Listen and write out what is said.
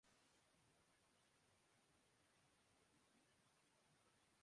بعض اوقات آپ صرف اپنے حوصلہ کے ساتھ چلتے ہیں